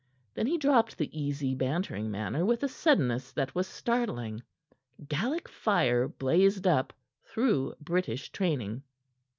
Then he dropped the easy, bantering manner with a suddenness that was startling. Gallic fire blazed up through British training.